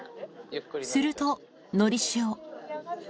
するとのりしお。